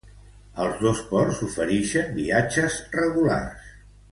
Els dos ports oferixen viatges regulars.